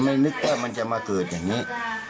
นึกว่ามันจะมาเกิดอย่างนี้